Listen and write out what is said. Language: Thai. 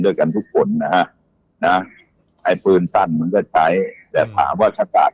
ด้วยกันทุกคนนะไอ้ฟื้นตันมันก็ใช้และกำลังว่าฉะการ